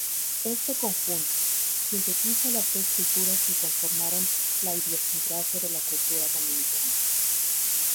Este conjunto, sintetiza las tres culturas que conformaron la idiosincrasia de la cultura dominicana.